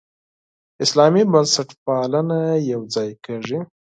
اسلامي بنسټپالنه یوځای کېږي.